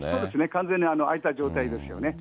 完全に開いた状態ですよね。